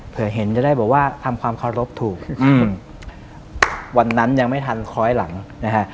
เห็นจะได้บอกว่าทำความเคารพถูกวันนั้นยังไม่ทันคล้อยหลังนะฮะ